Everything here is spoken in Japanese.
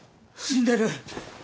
死んでる